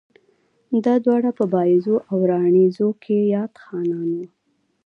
دا دواړه پۀ بائيزو او راڼېزو کښې ياد خانان وو